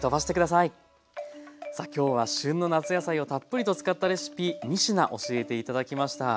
さあ今日は旬の夏野菜をたっぷりと使ったレシピ３品教えて頂きました。